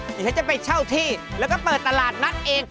อยากจะไปเช่าที่แล้วก็เปิดตลาดนัดเอง